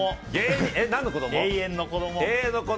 永遠の子供。